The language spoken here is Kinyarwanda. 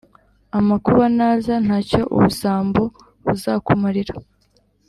amakuba naza, nta cyo ubusambo buzakumarira